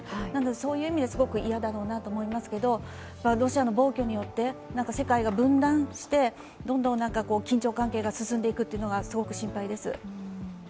そういう意味で嫌だろうなと思うんですけどロシアの暴挙によって世界が分断して、どんどん緊張関係が進んでいくのがすごく心配です。